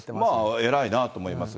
偉いなと思いますが。